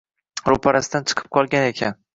Roʻparasidan chiqib qolgan ekan.